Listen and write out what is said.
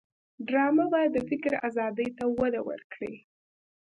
ډرامه باید د فکر آزادۍ ته وده ورکړي